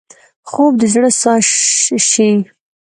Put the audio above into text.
خوب د زړه ساه شي